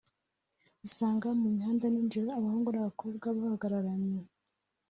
usanga mu mihanda ninjoro abahungu n’abakobwa bahagararanye